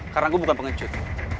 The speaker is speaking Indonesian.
karena gue bukan pengecut